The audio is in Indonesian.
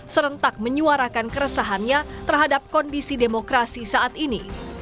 serentak menyuarakan keresahannya terhadap kondisi demokrasi saat ini